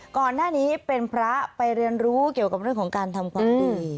ก่อนหน้านี้เป็นพระไปเรียนรู้เกี่ยวกับเรื่องของการทำความดี